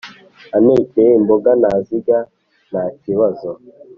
antekeye imboga nazirya ntakibazo